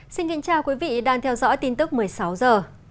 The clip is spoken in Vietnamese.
xin kính chào quý vị đang theo dõi tin tức một mươi sáu h